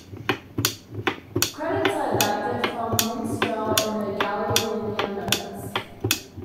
Credits are adapted from "Minstrel in the Gallery" liner notes.